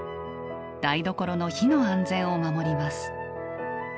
台所の火の安全を守ります。